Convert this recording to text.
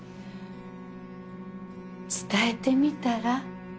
伝えてみたら？